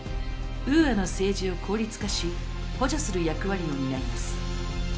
ウーアの政治を効率化し補助する役割を担います。